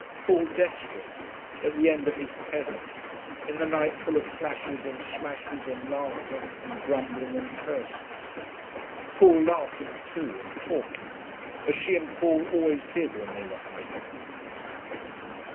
Paul desperate, at the end of his tether, in the night full of flashes and smashes and laughter and grumbling and curses.... Paul laughing too, and talking, as she and Paul always did when they were hiding things....